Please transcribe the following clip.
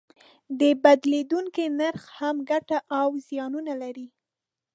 د بدلیدونکي نرخ هم ګټې او زیانونه لري.